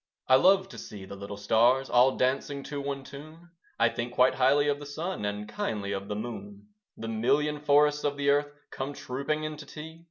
I love to see the little stars All dancing to one tune; I think quite highly of the Sun, And kindly of the Moon. The million forests of the Earth Come trooping in to tea.